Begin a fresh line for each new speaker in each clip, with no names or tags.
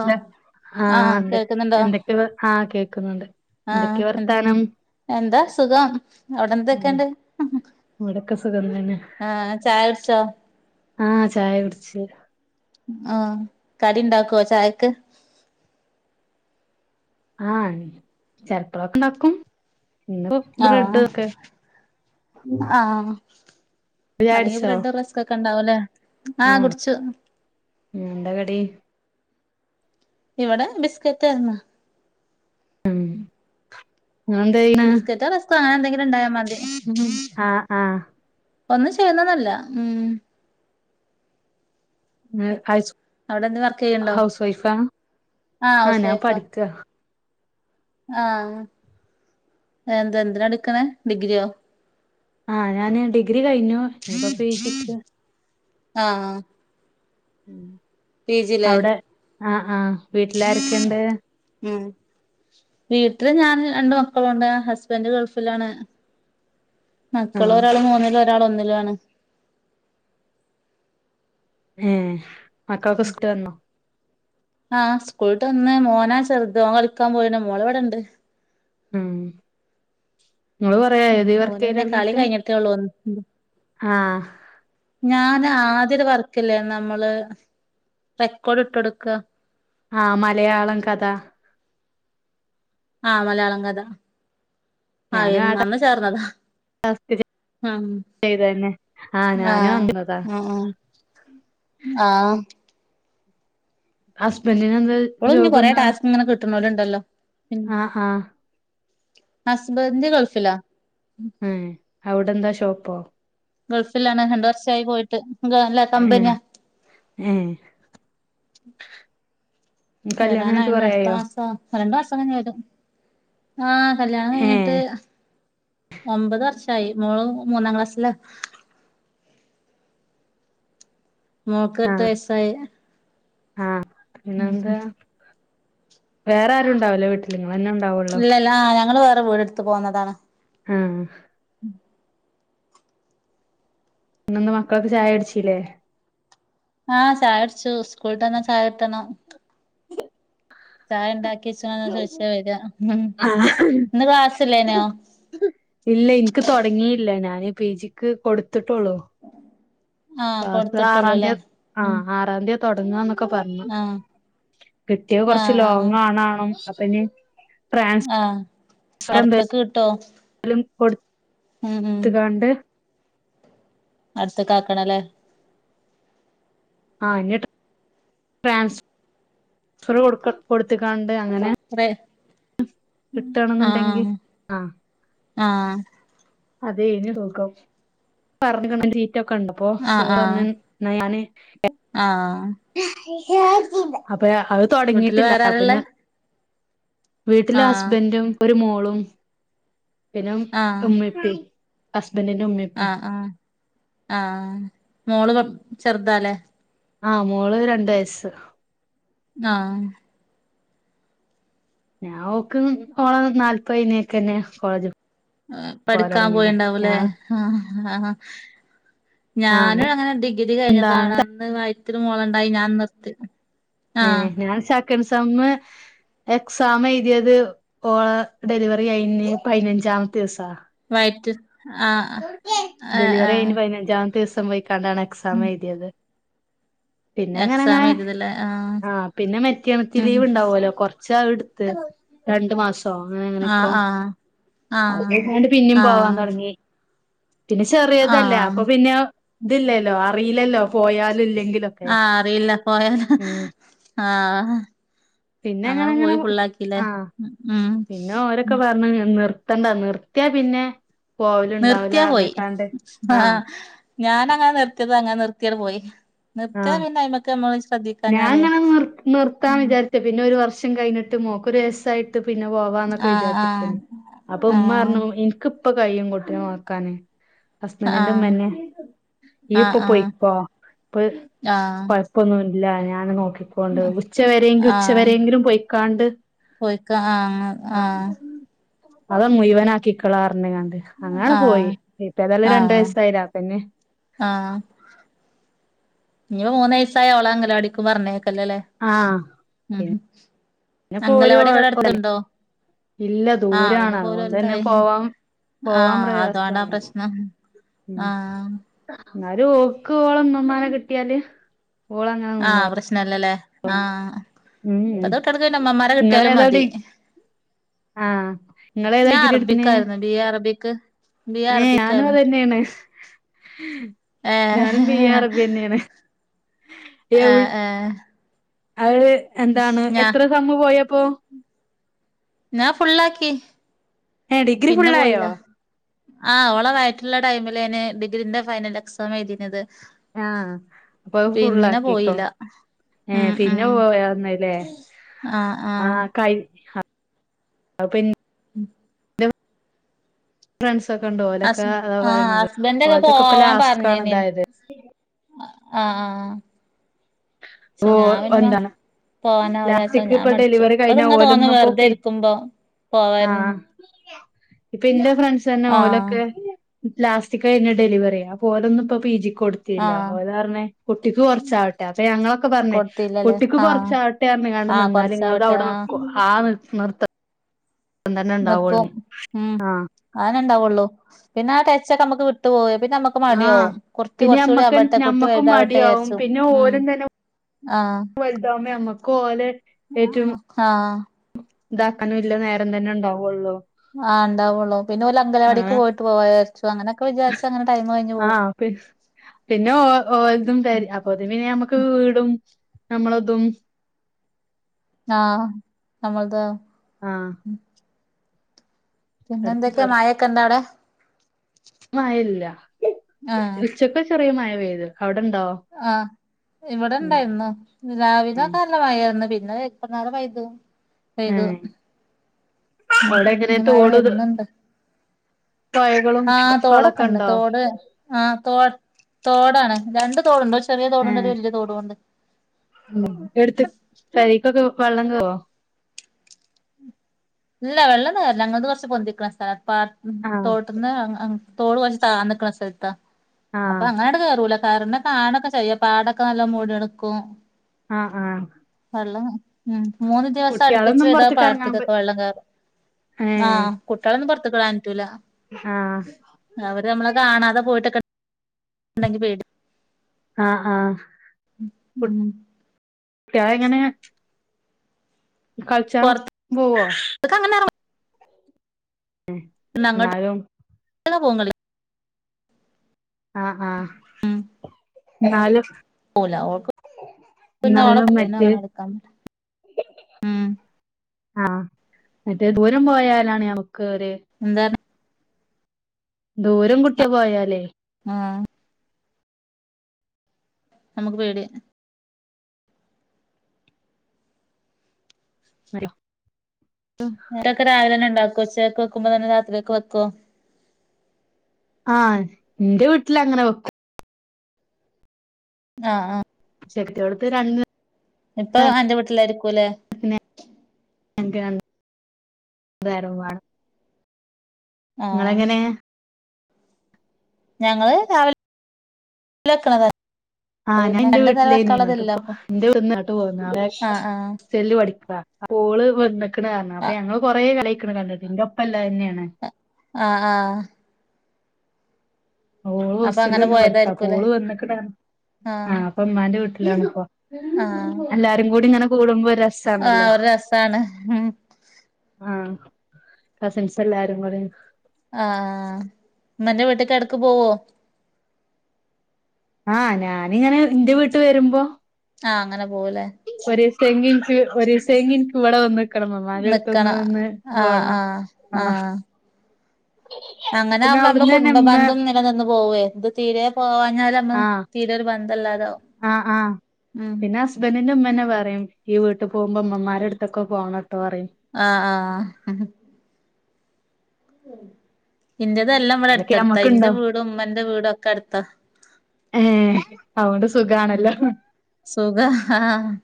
Hello ആഹ് എന്തൊക് എന്തൊക്കെവ ആഹ് കേക്കുന്നുണ്ട്
ആഹ്
എന്തൊക്കെ
എന്താ
വർത്താനം
എന്താ സുഖം അവിടെന്തൊക്കെണ്ട്
ഇവിടൊക്ക സുഖം തന്നെ
ആഹ് ചായ കുടിച്ചോ
ആഹ് ചായ കുടിച്ച്
ആഹ് കടി ഇണ്ടാക്കുവോ ചായക്ക്
ആഹ് ചെലപ്പളൊക്കെ ഉണ്ടാക്കും ഇന്ന് ബ്രെഡ്
ആഹ്
ഇതൊക്കെ
ആഹ്
ചായ
അല്ലെങ്കി
കുടിച്ചോ
ബ്രെഡും റസ്ക്കൊക്കെ ഉണ്ടാവുല്ലേ ആഹ് കുടിച്ചു
ഉം എന്താ കടി
ഇവിട ബിസ്കറ്റ് ആര്ന്ന്
ഉം അതെന്തേയ്
ബിസ്ക്കറ്റോ റസ്ക്കോ അങ്ങനെ എന്തെങ്കിലും ഉണ്ടായാമതി
ആഹ് ആഹ്
ഒന്നും ചെയ്യുന്നന്നല്ല ഉം
നിങ്ങ് ഐസു
അവിടെ എന്ത് വർക്ക് ചെയ്യണ്ടോ
ഹൗസ് വൈഫാ
ഹൗസ്
ആഹ് ഞാൻ
വൈഫാ
പഠിക്ക
ആഹ് എന്ത്‌ എന്തിനാ പഠിക്കണെ ഡിഗ്രിയോ
ആഹ് ഞാന് ഡിഗ്രി കഴിഞ്ഞു ഇനിപ്പ പീജിക്ക്
ആഹ്
ഉം
പി ജി ല്ലേ
അവിടെ ആഹ് ആഹ് വീട്ടിലാരൊക്കെണ്ട്
ഉം വീട്ടില് ഞാന് രണ്ട് മക്കളുണ്ട് ഹസ്ബന്റ് ഗൾഫിലാണ് മക്കള്
ആഹ്
ഒരാള് മൂന്നിലും ഒരാള് ഒന്നിലും ആണ്
ഏഹ് മക്കളൊക്കെ സ്കൂൾ വിട്ട് വന്നോ
ആഹ് സ്കൂളിട്ട് വന്ന് മോനാ ചെറുത് ഓൻ കളിക്കാൻ പോയിന്ന മോളിവിടെണ്ട്
ഉം നിങ്ങള് കൊറെയായോ
ഉം
ഇതി
ഓന്
വർക്ക്ചെയ്യല്
പിന്നെ കളി
തുടങ്ങിട്ട്
കഴിഞ്ഞിട്ടേ ഉള്ളൂ
ആഹ്
ഞാൻ ആദ്യം ഒരു വർക്കില്ലേ നമ്മള് റെക്കോഡ് ഇട്ട് കൊടുക്ക
ആഹ് മലയാളം കഥ
ആ മലയാളം കഥ ആ അന്ന് ചേർന്നതാ
ടാസ്ക്
ഉ
ചെയ്തന്നെ ആഹ്
ആ
ഞാനും അന്നതാ
ഉ ഉ ആഹ്
ഹസ്ബന്റിന് ന്താ
ഇപ്പോളും ഇഞ്ഞി കുറെ ടാസ്ക് ഇങ്ങനെ കിട്ടണോലുണ്ടല്ലോ പിന്നെ
ആഹ് ഹാഹ്
ഹസ്ബൻഡ് ഗൾഫിലാ
ഏഹ് അവിടെന്താ ഷോപ്പോ?
ഗൾഫിലാണ് രണ്ട് വർഷായി പോയിട്ട് [unintelligible]
ഏഹ് ഏഹ് കല്യാണം
വരാൻ
കഴിഞ്ഞിട്ട്
ആയിണ്
കൊറേ ആയോ?
അടുത്തമാസം രണ്ടു വർഷം കഴിഞ്ഞ വരും ആഹ് കല്യാണം കഴിഞ്ഞിട്ട്
ഏഹ്
ഒമ്പത് വർഷായി മോള് മൂന്നാം ക്ലാസ്സില മോക്ക് എട്ട് വയസ്സായി
ആഹ് പിന്നെ എന്താ വേറെ ആരു ഉണ്ടാവല്ല വീട്ടില് നിങ്ങളെന്നെ ഉണ്ടാവുള്ളോ
ആഹ് ഞങ്ങള് വേറെ വീട് എടുത്ത് പോന്നതാണ്
ആഹ് ഇന്നൊ ഒന്ന് മക്കളൊക്ക് ചായ ടിച്ചീല്ലേ
ആഹ് ചായട്ച്ചു സ്കൂൾ വിട്ടുവന്നാ ചായട്ടണം
ഉ [unintelligible]
ചായ ഉണ്ടാക്കിച്ചു ചോദിച്ചാ വരാ ഉം
ആഹ്
ഇന്ന് കാസില്ലേനോ
ഇല്ല ഇൻക്ക് തുടങ്ങിയില്ല ഞാന് പി ജിക്ക് കൊടുത്ത്ട്ടുള്ളു
ആ
ക്ലാസ്സ് ആറാംതീ
കൊടുത്തിട്ടുള്ളൂല്ലേ ഉം
ആഹ് ആറാംതീ തുടങ്ങ ഒക്കെ പറഞ്ഞു
ആ
കിട്ടിയ
ആ
കൊറച്ച്
ആ
ലോങ് ആണാണും അപ്പൊ ഇനി
ആ
ട്രാൻസ്ഫർ
അടുത്ത്ക്ക് കിട്ടോ
എന്തേലും
ഉം ഉം
കൊടുത്തുങ്ങാണ്ട്
അടുത്ത്ക്ക് ആക്കണല്ലേ
ആഹ് ഇനി ട്രൻസ്ഫർ കൊടുത്തക്കാണ്ട് അങ്ങനെ
[unintelligible]
കിട്ടണ്ന്നുണ്ടെങ്കി ആഹ്
ആഹ്
അതെ ഇനി [unintelligible] പറഞ്ഞ സീറ്റ് ഒക്കെ ഉണ്ടപ്പോ
ആ
സർ
ആ
അന്ന് ന്നാ ഞാന് [unintelligible]
ആഹ്
അപ്പ അത്
വീട്ടില്
തുടങ്ങിട്ടില്ല
വേറാരള്ളേ
അപ്പനി വീട്ടില്
ആഹ്
ഹസ്ബൻഡും ഒരു മോളും പിന്നെ
ആഹ്
ഉമ്മി ഇപ്പി ഹസ്ബന്റിന്റെ ഉമ്മി
ആഹ് ആഹ് ആഹ് മോള് ചെറുതാല്ലേ
ആഹ് മോള് രണ്ട് വയസ്
ആഹ്
ഞാൻ ഓക് ഓളെ നാല്പ്പത് കഴിഞ്ഞെക്കെന്നെ കോളേജ്
ഏഹ് പഠിക്കാൻ
പോവലൊടങ്ങീണ്
പോയിണ്ടാവുല്ലേ
ഞാൻ
ആഹ്
ആഹ്
ഞാനും അങ്ങനെ ഡിഗ്രി
എന്താണ്
കഴിഞ്ഞതാണ് ന്ന് വയറ്റില് മോളുണ്ടായി ഞാൻ നിർത്തി ആഹ്
ഏഹ് ഞാൻ സെക്കന്റ്‌ സെം എക്സാം എഴുതിയത് ഓള ഡെലിവറി കഴിഞ്ഞ് പതിനഞ്ചാമത്തെ ദിവസാ
വയറ്റ് ആഹ് ആഹ്
ഡെലിവറി
ആഹ്
കഴിഞ് പതിനഞ്ചാമത്തെ ദിവസം പൊയ്ക്ക് അതാണ് എക്സാം
ഉം
എഴുതിയത് പിന്നെ അങ്ങനെ
എക്സാം
അങ്ങനെ
എഴുതിയതല്ലേ ആഹ്
ആഹ് പിന്നെ മെറ്റയാണത്തി
ഉം
ലീവ് ഉണ്ടാവല്ലോ കൊറച്ച് അത് എടുത്ത് രണ്ടു മാസം അങ്ങനെ
ആഹ്
അങ്ങനെയക്കോ
ആഹ് ആഹ്
അതുകഴിഞ്ഞങ്ങാട് പിന്നിം പോവാൻ
ആഹ്
തുടങ്ങി പിന്നെ ചെറിയതല്ലേ
ആഹ്
അപ്പൊ പിന്നെ ഇതില്ലല്ലോ അറിയില്ലല്ലോ പോയാലും ഇല്ലെങ്കിലും
ആഹ് അറിയില്ല പോയാല് ആഹ്
പിന്നെ
ഞങ്ങള്
അങ്ങനങ്ങനെ
പോയി ഫുള്ളാക്കില്ലേ
ആഹ്
ഉം
പിന്നെ ഓരക്കെ ക്കെ പറഞ്ഞ നിർത്തണ്ട നിർത്തിയ പിന്നെ പോവലുണ്ടാവൂല
നിർത്തിയ പോയി
പറഞ്ഞ്ക്കാണ്ട്
ആ
ആഹ്
ഞാനങ്ങെ നിർത്തിയത് അങ്ങെ നിർത്തിയട് പോയി നിർത്തയ
ആഹ്
പിന്നെ അയ്മക്ക് അമ്മൾ
ഞാൻ
ശ്രദ്ധിക്കാഞ്ഞാല്
ഇങ്ങനെ നിർ നിർത്താൻ വിചാരിച്ച പിന്നെ ഒരു വർഷം കഴിഞ്ഞിട്ട് മോക്കൊരു വയസായിട്ട് ട്ട് പിന്നെ പോവാന്നൊക്കെ
ആഹ് ആഹ്
വിചാരിച്ചിരക്കയ്ന് അപ്പൊ ഉമ്മ പറഞ്ഞു ന്ക്ക് ഇപ്പൊ കയ്യും കുട്ടിനെ നോക്കാന്ന്
ആഹ് ആഹ്
ഹസ്ബൻറിന്റെമ്മന്നെ ഇയ് ഇപ്പൊ
ആഹ് ആഹ്
പോയ്ക്കോ ഇപ്പ
ആഹ്
കൊഴപ്പൊന്നുല്ല ഞാൻ നോക്കിക്കോണ്ട് ഉച്ചവരങ്കും
ആഹ്
ഉച്ചവരെങ്കിലും പോയി കാണ്ട്
പോയിക്ക ആഹ്
ആഹ് അത് മുഴവനാക്കികാള പറഞ്ഞ് കാണ്ട് അങ്ങനെങ്ങ് പോയി
ആഹ്
ഇപ്പേതല്ലാം രണ്ടു
ആഹ്
വയസ്സായില്ലെ അപിന്നെ
ആഹ് ഇഞ്ഞി മൂന്ന് വയസായോള അങ്കല വാടിക്കും പറഞ്ഞേക്കല്ലല്ലേ
ആഹ്
ഉം
പിന്നെ ഇപ്പോ ഓര്
അങ്കലവാടി ഒക്കെ അവിവടെ അടുത്ത്ണ്ടോ?
ഇല്ല
ആഹ്
ദൂരാണ്
പിന്നെപ്പോല്
അതുകൊണ്ട് തന്നെ
വലുതായി
പോവാൻ പോവാൻ
ആഹ് അതുകണ്ടാ
പ്രയാസാണ്
പ്രശ്നം
ഉം
ആഹ്
എന്നാലും ഓക്ക് ഓളെ മ്മുമാനെ കിട്ടിയല്
ആഹ് പ്രശ്നല്ലല്ലേ ആഹ്
ഉം ഉം
അപ്പതെ കുട്ട്യാ ക്ക് ഇമ്മമാരെ കിട്ടിയാലും
ഇങ്ങളേതാ
മതി
ഡി ആഹ് നിങ്ങള ഏതാ
ഞാൻ
ഡിഗ്രി എടുത്തിന്
അറബിക്കായിരുന്നു ബി എ അറബിക്
ഏഹ് ഞാനും അത് തന്നെയാണ്.
ഏഹ്
ഞാനും ബി എ അറബി തന്നെയാണ്.
ആഹ് ആഹ്
അത് എന്താണ് എത്ര സമ് പോയപ്പോ
ഞാന് ഫുള്ളാക്കി
ഏഹ് ഡിഗ്രി
പിന്നെ പോയില്ല
ഫുള്ളായോ
ആഹ് ഓളെവയറ്റില് ഇള്ള ടൈമിലന്നെ ഡിഗ്രീന്റെ ഫൈനൽ എക്സാം എഴുതിയുന്നത്
ആഹ് അപ്പൊ അത് ഫുള്ളാക്കിക്കോ
പോയില്ല
ഏഹ്
ഉം ഉം
പിന്നെ പോയന്നല്ലേ
ആഹ്
ആ
ആഹ്
കൈ അത് പിന്നെ
[inaudible]
ഫ്രണ്ട്സ ഒക്കെ ഉണ്ട് ഓലൊക്കെ
ഹസ്
അതാ
ആഹ്
പറയണുന്നത്
ഹസ്ബൻഡൊക്കെ
ഓലത്തൊക്കെ ഇപ്പൊ
പോവാൻ
ലാസ്റ്റ് കാണ്
പറഞ്ഞീനി
ഇതായത്
ആഹ് ആഹ് പക്ഷെ
ഓഹ്
ഞാൻ പിന്നെ
വന്താണ്
പോവാനാവൂലാച്ച
ലാസ്റ്റിക്
ഞാൻ
ഇപ്പൊ
മടിച്ചു
ഡെലിവറി
ഇപ്പ
കഴിഞ്ഞ
ഇങ്ങ തോന്നും
ഓലൊന്നുംപ്പോ
വെറുതെ
പിന്നെ
ഇരിക്കുമ്പോ പോവായിരുന്നു
ആഹ് ഇപ്പൊ എന്റെ ഫ്രണ്ട്സ് തന്നെ
ആഹ്
ഓലൊക്കെ ലാസ്റ്റ് കഴിഞ്ഞ ഡെലിവറി അപ്പോലൊന്നും ഇപ്പൊ പി ജിക്ക് കൊടുത്തില്ല
ആഹ്
ഓലറഞ്ഞെ കുട്ടിക്ക് കുറച്ചാവട്ടെ അപ്പൊ ഞങ്ങളൊക്കെ പറഞ്ഞെ
കൊടുത്തില്ലല്ലേ
കുട്ടിക്ക്
ആഹ്
കുറച്ച ആട്ടെ പറഞ്ഞ്കാണ്ട്
ആഹ്
നിന്നാല് നിങ്ങളുടെ
കൊറച്ചാവട്ടെ
അവിടെ
ആഹ്
നിക്കും ആഹ് നിർത്ത ത്തം തന്നെ
നിക്കും
ഉണ്ടാവുള്ളൂ
ഉം
ആ
അനെ ഉണ്ടാവുള്ളു. പിന്നെ ആ ടെച്ചൊക്കെ നമ്മുക്ക് വിട്ടുപോവും പിന്നെ നമ്മുക്ക്
ആഹ് പിന്നെ മ്മക്ക്
കുട്ടി
ഞമ്മക്കും
വലുതാവട്ടെ
മടിയാവും
വിചാരിച്ചും
പിന്നെ
ഉം
ഓരുതന്നെ
ആഹ്
വലുതാമേ അമ്മക്ക് ഓലെ ഏറ്റവും
ആഹ്
ഇതാക്കാനും ഇല്ല നേരം തന്നെ ഉണ്ടാവുള്ളൂ
ആ ഉണ്ടാവുള്ളൂ പിന്നെ ഓല് അങ്കലവാടിക്ക്
അങ്ങനെ
പോയിട്ട് പോവ വിചാരിച്ചു അങ്ങനൊക്കെ വിചാരിച്ച് അങ്ങനെ ടൈം കഴിഞ്ഞ് പോകും
ആഹ് പിന്നെ ഓ ഓല്തും ത അപ്പൊതും പിനെ നമ്മക്ക് വീടും നമ്മളതും
ആഹ് നമ്മളതാ
ആഹ് എടുത്ത്
പിന്നെന്തൊക്കെ
നിർ
മയക്കെണ്ടോ അവടെ
മഴല്ല
ആഹ്
ഉച്ചക്കൊരു ചെറിയ മഴ പെയ്തു അവിടെണ്ടോ
ആഹ് ഇവിടെ
ഉം
ഇണ്ടായിരുന്നു രാവിലെ
ഉം
ക- മഴാരുന്നു പിന്നെ ഇപ്പന്നേരെ പെയ്തു. പെയ്തു
ഏഹ് അവിടെ എങ്ങനെ
ഇനി മഴ
തോട്
വരുന്നുണ്ട്
[inaudible]
ആഹ്
കൊളൊക്കെ
തോടൊക്കെണ്ട്
ഉണ്ടോ
തോട്- ആ ഹ് തോ തോടാണ് രണ്ട്‌ തോടുണ്ട് ചെറിയ തോടുണ്ട്
ഏഹ്
വലിയ തോടുംണ്ട്
ഉം എടുത്താ പെരേക്കൊക്കെ വെള്ളം കേറോ
ഇല്ല വെള്ളം കേറ്ല്ല ഞങ്ങള്ത് കുറച്ച് പൊന്തിക്കണ സ്ഥലാ പ
ആഹ്
തോട്ട്ന്ന് അങ്ങ് തോട് കുറച്ച് താന്നിക്ക്ണ സ്ഥലത്താ
ആഹ്
അപ്പൊ അങ്ങനെട്ട് കേറൂല പരന്ന് കാണൊക്കെ ചെയ്യും പാടൊക്കെ നല്ല മൂടിട്ക്കും
ആഹ് ആഹ്
വള്ളം മൂന്ന് ദിവസം
കുട്ടികളൊന്നും
അടുപ്പിച്ചെയ്താ
പുറത്തേക്ക് ഇറങ്ങാൻ പ
പാട്ത്ത്‌കൊക്കെ -. വെള്ളം കയറും
ഏ
ആ കുട്ടികളൊന്നും പുറത്തക്ക് വി ടാൻ പറ്റൂല
ആഹ്
അവര് നമ്മളെ കാണാതെ പോയിട്ടൊക്കെ ണ്ടെങ്കി പേടി
ആഹ്ആഹ്
ഉം ഉം
കുട്ടിയാളെങ്ങനെ കള്ച്ചാൻ പോവോ
ക്കഅങ്ങന എർ
ഉം ന്നാലും
അങ്ങനെ പോവു കളി
ആഹ് ആഹ്
ഉം
ന്നാലും
പോവൂല ഓൾക്ക് പിന്നെ ഓളെ
ന്നാലും
പിന്നെ
മറ്റേ
അങ്ങനെ കളിക്കാൻ ഉം
ആഹ് മറ്റേ ദൂരം പോയാലാണ് നമുക്കൊരു
എന്താണ്
ദൂരം കുട്ടി പോയാലേ
ആഹ് നമുക്ക് പേടിയാ
[inaudible]
ഇങ്ങളൊക്കെ രാവില തന്നെ ഉണ്ടാക്കോ ഉച്ചക്കെക്ക് വെക്കുംമ്പന്നെ രാത്രികക്ക് വെക്കോ
ആഹ് ന്റെ വീട്ടിൽ അങ്ങനെ വെക്കും
ആഹ് ആഹ്
[unintelligible]
ഇപ്പൊ അന്റെ വീട്ടിലായിരിക്കൂല്ലേ
പിന്നെ [unintelligible] ഉദാഹരവുമാണ്.
ആഹ്
ഇങ്ങളെങ്ങനെ?
ഞങ്ങള് രാവിലെക്ക [unintelligible] ണതാണ്.
ആഹ്. ഞാ ഇന്റെ വീട്ടിലേയ്നി. ഇന്നട്ട്പ്പൊ എന്റെ വീട്ട്ന്ന് ഇങ്ങട്ട് പോന്ന്.
ആഹ് ആഹ്
സെല്ല് പഠിക്ക. അപ്പ ഓള് വന്ന്ക്കണ് പറഞ്ഞു. അപ്പൊ
ആഹ്
ഞങ്ങള് കൊറേ കാലായ്ക്കണ് കണ്ടിട്ട്. ഇന്റെ ഒപ്പള്ളതന്നെയാണ്.
ആഹ് ആഹ്.
ഓള്
അപ്പൊ അങ്ങനെ
ഹോസ്റ്റല്ന്ന് പഠിക്ക. അപ്പൊ
പോയതായിരിക്കുംല്ലേ
ഓള് വന്നിക്ണ് അറ്ന്ന്. ആ.
ആഹ്
അപ്പ ഉമ്മാന്റെ വീട്ടിലാണ്പ്പൊ. എല്ലാരും കൂടി ഇങ്ങനെ കൂടുമ്പോ ഒരു രസ്
ആ ഒരു രസാണ്. ഉം.
ആഹ്. കസിൻസ് എല്ലാരും കൂടി.
ആഹ്. ഇമ്മന്റെ വീട്ടക്ക് എട്ക്ക് പോവോ?
ആഹ്. ഞാനിങ്ങനെ ഇന്റെ വീട്ട് വരുമ്പൊ.
ആഹ് അങ്ങനെ പോവുലേ.
ഒരു സെങ്ങിക്ക് ഒരു സെങ്ങിൻക്ക് ഇവടെ വന്ന് ക്ക്ണമമ്മാന്റെ എടുത്തൊന്ന്
നിക്കണം
നിന്ന്
ആഹ്
പോണം
ആഹ്
ആഹ്. പിന്നെ അവിട്ന്നെന്നെ ഇമ്മ -
നിന്ന് പോവേ എത് തീരെ പോവാഞ്ഞാല്
ആഹ്
തീരൊരു ബന്ധല്ലാതാവും ഉം.
ഹസ്ബന്ഡറിന്റെ ഉമ്മന്നെ പറിം ഈ വീട്ട് പോകുമ്പോ ഇമ്മമാരെടുത്തൊക്കെ പോണംട്ടോറിം.
ആഹ് ആഹ്. ഇൻന്റെതെല്ലാം ഇവെടെ
ഓലൊക്കെ
അടുത്ത്ടുത്താ. ഇന്റെ
നമ്മക്ക്ണ്ടാവും
വീടും ഇമ്മന്റെ വീടും ഒക്കെ അടുത്താ.
ഏഹ് അതോണ്ട്
ഉം
സുഖാണല്ലോ.
സുഖാ ആഹ്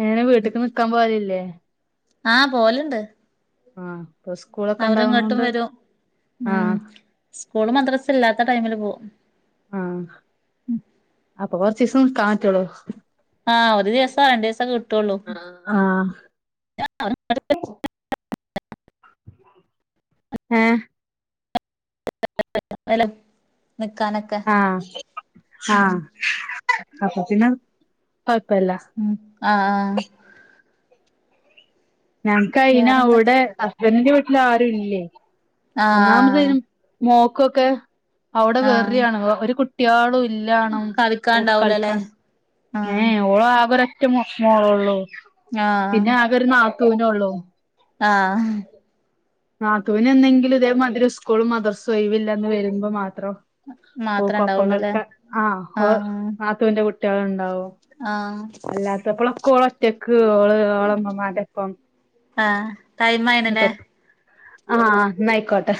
എങ്ങനെ. വീട്ട്ക്ക് നിക്കാൻ പോകലില്ലേ.
ആഹ് പോവല്ണ്ട്.
ആഹ് പസ്
അവര് ഇങ്ങോട്ടും വരും. ഉം
ആഹ്
സ്കൂളും മദ്രസു ഇല്ലാത്ത ടൈമില് പോവും.
ആഹ് അപ്പൊ കൊറ്ച്ചെസം നിക്കാൻ പറ്റൊള്ളു.
ആഹ്. ഒരു ദിവസം. രണ്ടീസൊക്കെ കിട്ടുള്ളൂ.
ആഹ് ഏഹ്.
നിക്കാനൊ.
ആഹ് ആഹ് അപ്പ പിന്നെ കൊഴപ്പല്ല.
ഉം ആഹ് ആഹ്.
ഞങ്ങക്ക് അയിന്
വേറെന്തൊക്കെ
അവിടെ ഹസ്ബന്റി ന്റെ വീട്ടിൽ ആരുല്ലെ ഒന്നാമത്.
ആഹ്
മോക്കൊക്കെ അവിടെ
ആഹ്
വെറി ആണ് ഒരു കുട്. കുട്ട്യേളും ഇല്ലാണും. ഓക്ക്
കളിക്കാണ്ടാവൂലല്ലേ
കളിക്കാൻ. ഏ
ആഹ്
ഏ ഓള് ആകെരൊറ്റ മോള് ഒള്ളു.
ആഹ്
പിന്നെ ആകെ ഒരു നാത്തൂനൊള്ളു.
ഉം.
നാത്തൂന് എന്നെങ്കിലും ഇതേ മാതിരി സ്കൂളും മദർസും ഒഴിവില്ലെന്ന് വരുമ്പം മാത്രം. ഓ
മാത്രേ ഉണ്ടാവുള്ളൂല്ലേ
കൊപ്പങ്ങൾക്ക ആ ഓ
ആഹ്
നാത്തൂന്റെ കുട്ട്യേൾ ഇണ്ടാവും.
ആഹ്.
അല്ലാത്തപ്പളൊക്കെ ഓള് ഒറ്റക്ക്. ഓള് ഓളെ ഇമമ്മാന്റെപ്പം.
ആ ടൈമായിണ്ലെ.
ആഹ് ഇന്നായിക്കോട്ടെ.